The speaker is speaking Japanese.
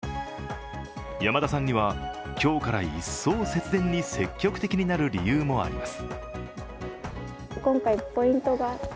山田さんには今日から一層節電に積極的になる理由もあります。